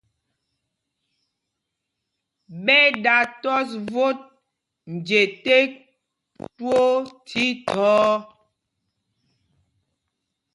Ɓɛ dā tɔs vot nje tēk twóó thíthɔɔ.